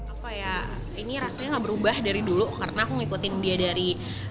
apa ya ini rasanya gak berubah dari dulu karena aku ngikutin dia dari